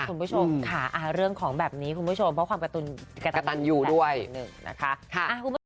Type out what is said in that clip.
คุณผู้ชมค่ะเรื่องของแบบนี้คุณผู้ชมเพราะความกระตันอยู่ด้วยนะคะ